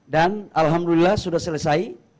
dan alhamdulillah sudah selesai